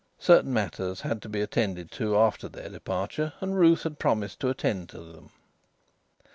Certain matters had to be attended to after their departure, and Ruth had promised to attend to them.